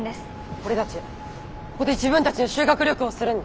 俺たちここで自分たちの修学旅行をするんだ。